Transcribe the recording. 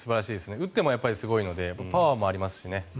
打ってもすごいのでパワーもありますしね。